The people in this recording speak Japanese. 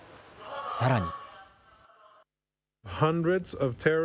さらに。